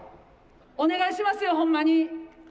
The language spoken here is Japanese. お願いしますよ、ほんまに。